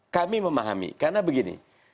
kami memahami karena begini